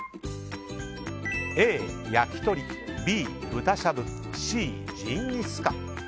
Ａ、焼き鳥Ｂ、豚しゃぶＣ、ジンギスカン。